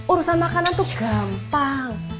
urusan makanan tuh gampang